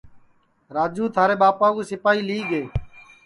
راجو تھارے ٻاپا کُو سیپائی لیگے